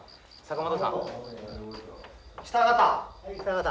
北方。